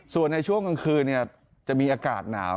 ส่วนในช่วงกลางคืนจะมีอากาศหนาว